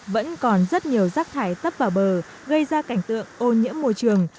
vẫn còn rất nhiều rác thải tấp vào bờ gây ra cảnh tượng ô nhiễm môi trường